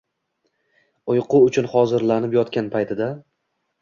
Uyqu uchun hozirlanib yotgan paytida